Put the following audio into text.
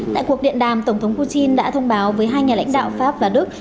tại cuộc điện đàm tổng thống putin đã thông báo với hai nhà lãnh đạo pháp và đức